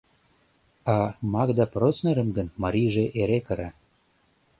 А Магда Проснерым гын марийже эре кыра.